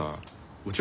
お茶